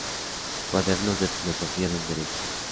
Cuadernos de Filosofía del Derecho.